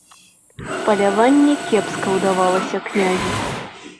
Паляванне кепска ўдавалася князю.